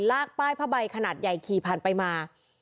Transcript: ลากป้ายผ้าใบขนาดใหญ่ขี่ผ่านไปมา